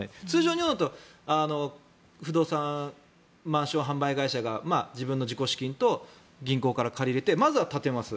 日本だと不動産、マンション販売会社が自分の自己資金と銀行から借り入れてまずは建てます。